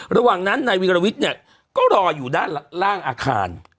ระหว่างนั้นนายวิรวิทย์เนี่ยก็รออยู่ด้านล่างอาคาร